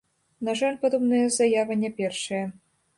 На жаль, падобная заява не першая.